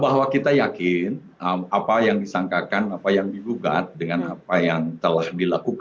bahwa kita yakin apa yang disangkakan apa yang digugat dengan apa yang telah dilakukan